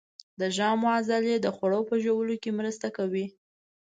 د ژامو عضلې د خوړو په ژوولو کې مرسته کوي.